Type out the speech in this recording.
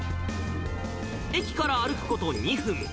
駅から歩くこと２分。